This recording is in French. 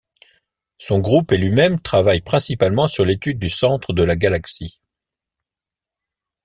Son groupe et lui-même travaillent principalement sur l'étude du centre de la galaxie.